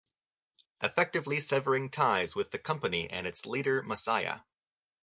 Effectively severing ties with the company and its leader Masaya.